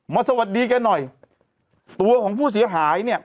สวัสดีแกหน่อยตัวของผู้เสียหายเนี่ย